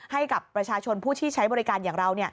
ให้กับประชาชนผู้ที่ใช้บริการอย่างเรา